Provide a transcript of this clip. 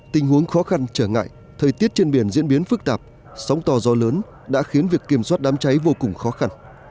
tình huống khó khăn trở ngại thời tiết trên biển diễn biến phức tạp sóng to gió lớn đã khiến việc kiểm soát đám cháy vô cùng khó khăn